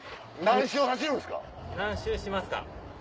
何周しますか？